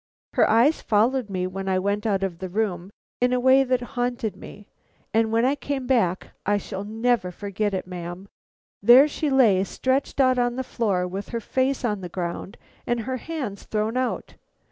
Her eyes followed me when I went out of the room in a way that haunted me, and when I came back I shall never forget it, ma'am there she lay stretched out on the floor with her face on the ground and her hands thrown out.